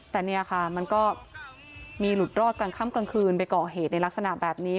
แต่เนี่ยค่ะมันก็มีหลุดรอดกลางค่ำกลางคืนไปก่อเหตุในลักษณะแบบนี้